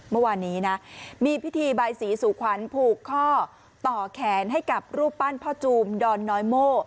เมื่อวานนี้นะมีพิธีใบสีสู่ขวัญผูกข้อต่อแขนให้กับรูปปั้นพ่อจูมดอนน้อยโม่